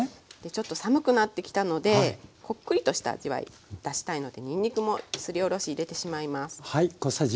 ちょっと寒くなってきたのでこっくりとした味わい出したいのでにんにくもすりおろし入れてしまいます。